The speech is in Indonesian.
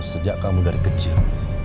sejak kamu dari kecil